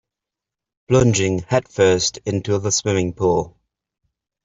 Plunging headfirst into the swimming pool.